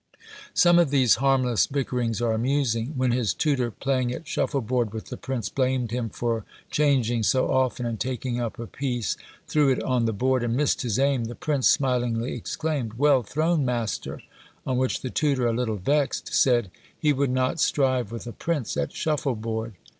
Some of these harmless bickerings are amusing. When his tutor, playing at shuffle board with the prince, blamed him for changing so often, and taking up a piece, threw it on the board, and missed his aim, the prince smilingly exclaimed, "Well thrown, master;" on which the tutor, a little vexed, said "he would not strive with a prince at shuffle board."